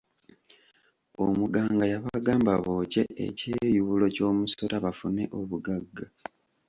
Omuganga yabagamba bookye ekyeyubulo ky'omusota bafune obugagga.